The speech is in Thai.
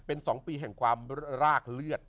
เป็น๒ปีแห่งความรากเลือด